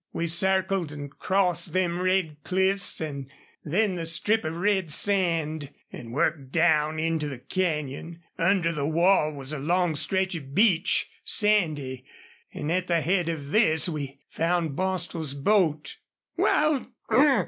We circled an' crossed them red cliffs an' then the strip of red sand, an' worked down into the canyon. Under the wall was a long stretch of beach sandy an' at the head of this we found Bostil's boat." "Wal